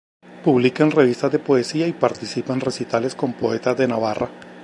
Publica en revistas de poesía y participa en recitales con poetas de Navarra.